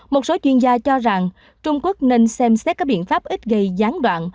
một số chuyên gia cho rằng trung quốc nên xem xét các biện pháp ít gây gián đoạn